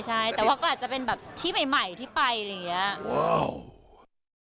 ใช่แต่ว่าก็อาจจะเป็นแบบที่ใหม่ที่ไปอะไรอย่างนี้